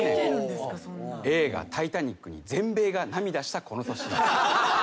映画『タイタニック』に全米が涙したこの年。